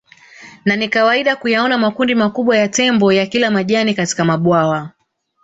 Na ni kawaida kuyaona makundi makubwa ya Tembo ya kila majani katika mabwawa